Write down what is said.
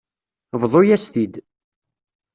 Bḍu-yas-t-id.